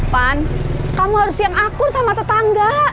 van kamu harus yang akur sama tetangga